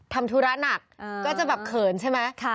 ทำธุระหนักก็จะแบบเขินใช่ไหม